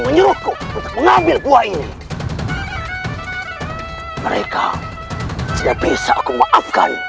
menyerahku mengambil buah ini mereka tidak bisa aku maafkan